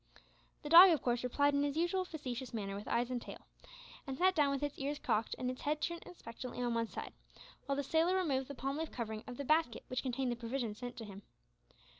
The dog of course replied in its usual facetious manner with eyes and tail, and sat down with its ears cocked and its head turned expectantly on one side, while the sailor removed the palm leaf covering of the basket which contained the provisions sent to him.